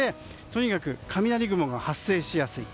とにかく雷雲が発生しやすい。